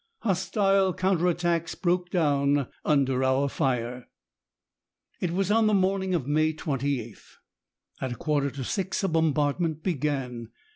Hostile counter attacks broke down under our fire." It was on the morning of May 28. At a quarter to six a bombardment began.